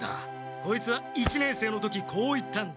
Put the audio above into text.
こいつは一年生の時こう言ったんだ。